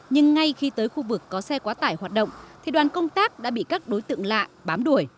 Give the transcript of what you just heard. nhưng ngay khi tới khu vực có xe quá tải hoạt động thì đoàn công tác đã bị các đối tượng lạ bám đuổi